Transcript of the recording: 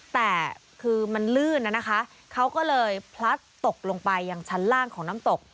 แต่คือมันลื่นนะคะเขาก็เลยพลัดตกลงไปยังชั้นล่างของน้ำตก